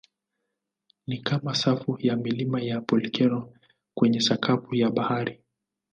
Ni kama safu ya milima ya volkeno kwenye sakafu ya bahari.